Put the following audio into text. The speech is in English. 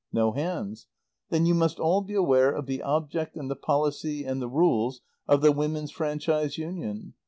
No hands. Then you must all be aware of the object and the policy and the rules of the Women's Franchise Union.